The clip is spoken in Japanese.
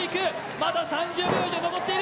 まだ３０ｍ以上残っている。